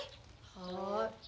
はい。